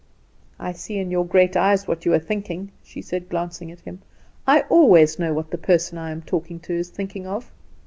"I see in your great eyes what you are thinking," she said, glancing at him; "I always know what the person I am talking to is thinking of.